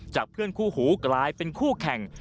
เพื่อนคู่หูกลายเป็นคู่แข่ง